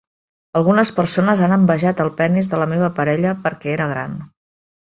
Algunes persones han envejat el penis de la meva parella perquè era gran.